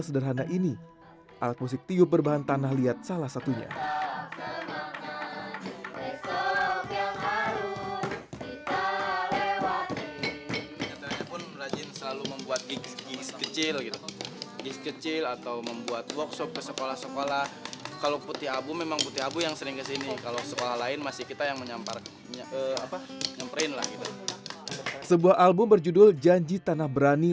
dan mendapatkan tempat di jatiwangi